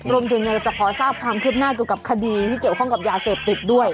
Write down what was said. รวมถึงอยากจะขอทราบความคืบหน้าเกี่ยวกับคดีที่เกี่ยวข้องกับยาเสพติดด้วย